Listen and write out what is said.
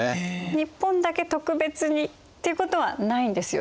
日本だけ特別にっていうことはないんですよね。